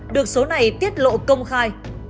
được số này tiết lộ công khai